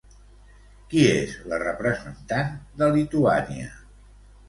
Qui és la representant de Lituània?